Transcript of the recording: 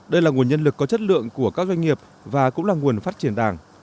đây là nguồn nhân lực có chất lượng của các doanh nghiệp và cũng là nguồn phát triển đảng